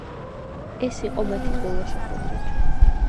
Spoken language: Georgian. ეს იყო მათი ბოლო შეხვედრა.